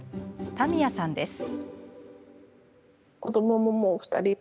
田宮さんです。